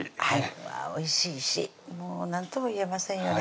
うわおいしいしもう何とも言えませんよね